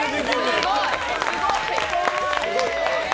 すごい。